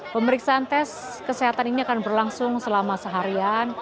pemeriksaan tes kesehatan ini akan berlangsung selama seharian